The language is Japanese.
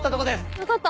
分かった。